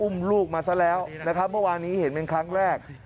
ลูกมาซะแล้วนะครับเมื่อวานนี้เห็นเป็นครั้งแรก